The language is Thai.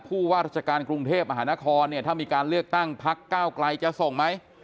ผู้ว่าราชการกรุงเทพมหานครเนี่ยถ้ามีการเลือกตั้งพักเก้าไกลจะส่งไหม